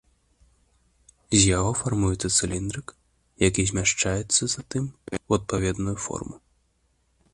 З яго фармуецца цыліндрык, які змяшчаецца затым у адпаведную форму.